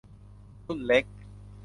รุ่นเล็ก